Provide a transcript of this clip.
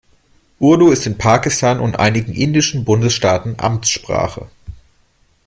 Urdu ist in Pakistan und einigen indischen Bundesstaaten Amtssprache.